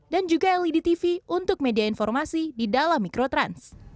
dan juga led tv untuk media informasi di dalam mikrotrans